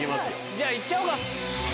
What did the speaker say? じゃあ行っちゃおうか！